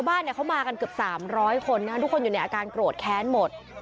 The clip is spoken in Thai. บ้านเขามากันเกือบ๓๐๐คนนะทุกคนอยู่ในอาการโกรธแค้นหมด